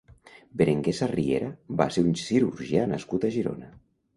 Berenguer Sarriera va ser un cirurgià nascut a Girona.